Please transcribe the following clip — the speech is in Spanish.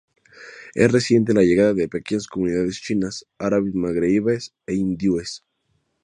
Es reciente la llegada de pequeñas comunidades chinas, árabe-magrebíes e hindúes.